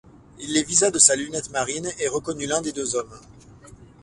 Il les visa de sa lunette marine, et reconnut l’un des deux hommes.